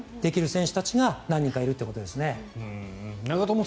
選手が何人かいるということですね。